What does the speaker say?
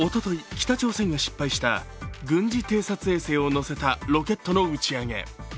北朝鮮が失敗した軍事偵察衛星を載せたロケットの打ち上げ。